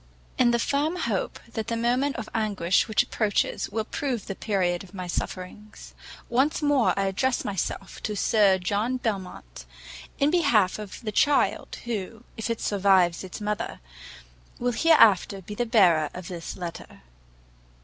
IN the firm hope that the moment of anguish which approaches will prove the period of my sufferings, once more I address myself to Sir John Belmont, in behalf of the child, who, if it survives its mother, will hereafter be the bearer of this letter.